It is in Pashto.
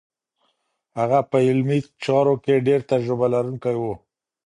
هغه په علمي چارو کې ډېر تجربه لرونکی و.